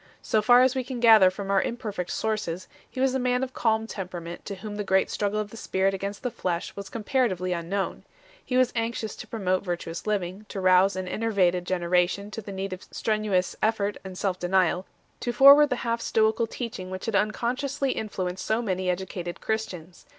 So far as we can gather from our imperfect sources, he was a man of calm temperament to whom the great struggle of the spirit against the flesh was comparatively unknown. He was anxious to promote virtuous living, to rouse an enervated generation to the need of strenuous effort and self denial, to forward the half Stoical teaching which had unconsciously influenced so many educated Christians.